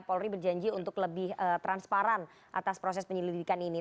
polri berjanji untuk lebih transparan atas proses penyelidikan ini